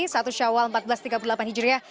satu syawal seribu empat ratus tiga puluh delapan hijriah